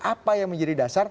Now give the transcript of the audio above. apa yang menjadi dasar